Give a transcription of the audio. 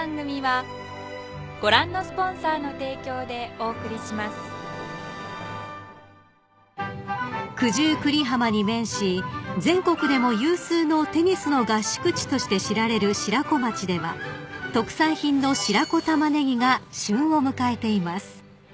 お化けフォーク⁉［九十九里浜に面し全国でも有数のテニスの合宿地として知られる白子町では特産品の白子たまねぎが旬を迎えています］